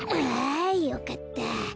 あよかった。